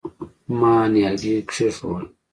ما نيالګي کېښوول.